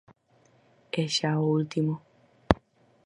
E xa o último.